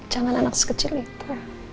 jangan anak sekecil itu